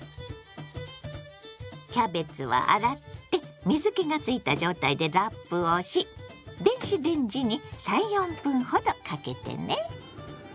キャベツは洗って水けがついた状態でラップをし電子レンジに３４分ほどかけてね。